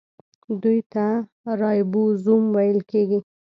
دوی ته رایبوزوم ویل کیږي.